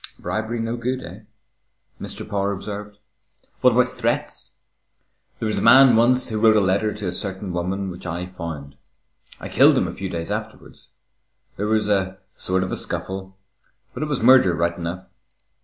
"Bribery no good, eh?" Mr. Power observed. "What about threats? There was a man once who wrote a letter to a certain woman, which I found. I killed him a few days afterwards. There was a sort of a scuffle, but it was murder, right enough.